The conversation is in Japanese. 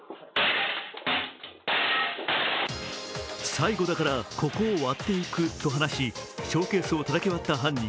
最後だからここを割っていくと話し、ショーケースをたたき割った犯人。